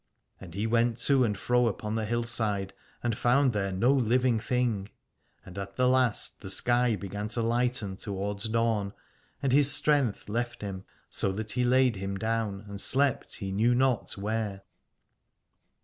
And he went to and fro upon the hillside and found there no living thing : and at the last the sky began to lighten towards dawn, and his strength left him, so that he laid him down and slept he knew not where.